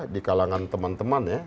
di kalangan teman teman ya